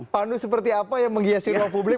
panu seperti apa yang menghiasi ruang publik